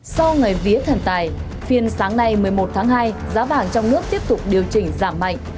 sau ngày vía thần tài phiên sáng nay một mươi một tháng hai giá vàng trong nước tiếp tục điều chỉnh giảm mạnh